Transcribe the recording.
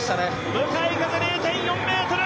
向かい風０．４メートル！